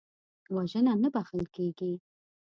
وژنه نه بخښل کېږي